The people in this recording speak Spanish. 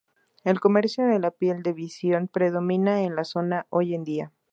El comercio de la piel de visón predomina en la zona hoy en día.